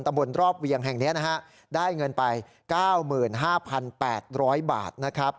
ตำบลตรอบเวียงแห่งเนี้ยนะฮะได้เงินไปเก้าหมื่นห้าพันแปดร้อยบาทนะครับ